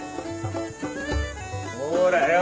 ほらよ。